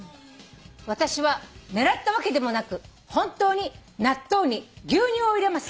「私は狙ったわけでもなく本当に納豆に牛乳を入れます」